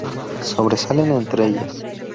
Sobresalen entre ellas;